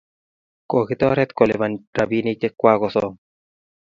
kokitaret kolipan rabinik che kwako som